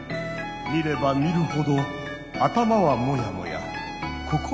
見れば見るほど頭はモヤモヤ心もモヤモヤ。